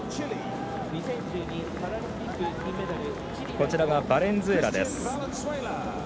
こちらがバレンスエラです。